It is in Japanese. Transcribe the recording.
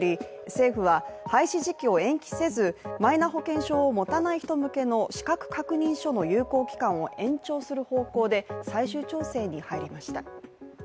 政府は廃止時期を延期せずマイナ保険証を持たない人向けの資格確認書の有効期間を延長する方向で最終調整に入りました。